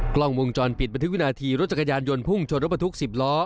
กล้องวงจรปิดบันทึกวินาทีรถจักรยานยนต์พุ่งชนรถบรรทุก๑๐ล้อ